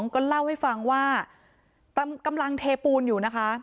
ก็เล่าให้ฟังว่ากำลังเทปูนอยู่นะคะ